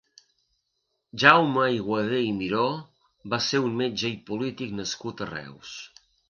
Jaume Aiguader i Miró va ser un metge i polític nascut a Reus.